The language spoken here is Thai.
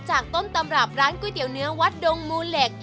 ต้นตำรับร้านก๋วยเตี๋ยวเนื้อวัดดงมูลเหล็ก